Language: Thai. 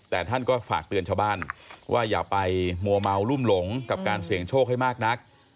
แต่ท่านก็ฝากเตือนชาวบ้านว่าอย่าไปมัวเมารุ่มหลงกับการเสี่ยงโชคให้มากนัก